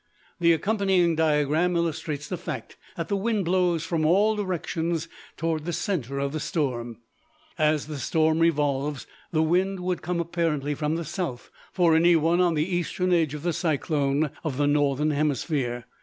The accompanying diagram illustrates the fact that the wind blows from all directions toward the center of the storm. As the storm revolves, the wind would come apparently from the south for any one on the eastern edge of the cyclone of the northern hemisphere.